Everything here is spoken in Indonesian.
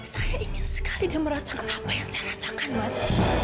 saya ingin sekali dia merasakan apa yang saya rasakan waktu